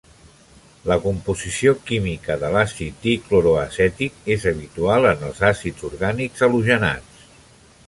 La composició química de l'àcid dicloroacètic és habitual en els àcids orgànics halogenats.